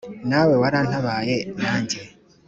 nawe warantabaye nanjye